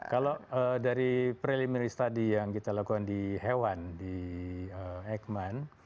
kalau dari preliminary study yang kita lakukan di hewan di eijkman